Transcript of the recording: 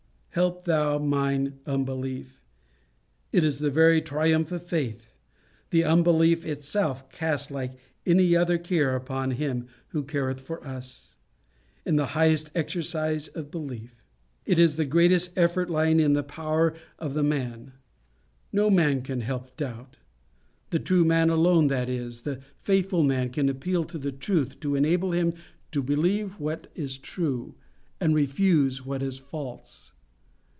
"Help thou mine unbelief." It is the very triumph of faith. The unbelief itself cast like any other care upon him who careth for us, is the highest exercise of belief. It is the greatest effort lying in the power of the man. No man can help doubt. The true man alone, that is, the faithful man, can appeal to the Truth to enable him to believe what is true, and refuse what is false.